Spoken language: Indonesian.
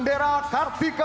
dari sehari kedua